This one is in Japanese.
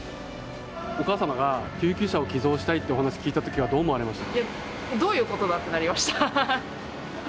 お母様が救急車を寄贈したいってお話聞いた時はどう思われました？